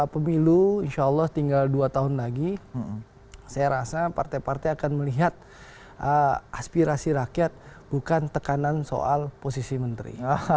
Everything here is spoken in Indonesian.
pemilu insya allah tinggal dua tahun lagi saya rasa partai partai akan melihat aspirasi rakyat bukan tekanan soal posisi menteri